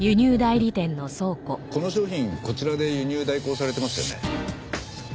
この商品こちらで輸入代行されてましたよね？